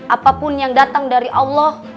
apapun yang datang dari allah